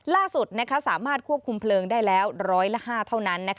ล่าสุดสามารถควบคุมเพลิงได้แล้วร้อยละ๕เท่านั้น